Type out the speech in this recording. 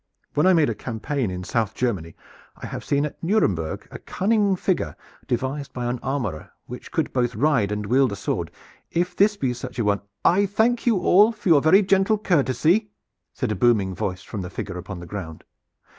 When I made a campaign in South Germany I have seen at Nuremberg a cunning figure, devised by an armorer, which could both ride and wield a sword. If this be such a one " "I thank you all for your very gentle courtesy," said a booming voice from the figure upon the ground.